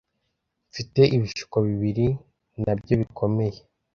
mfite ibishuko bibiri nabyo bikomeye